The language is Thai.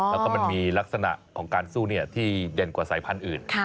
แล้วก็มันมีลักษณะของการสู้ที่เด่นกว่าสายพันธุ์อื่น